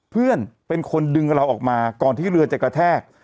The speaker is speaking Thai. เพื่อนเป็นคนดึงเราออกมาก่อนที่เรือจะกระแทก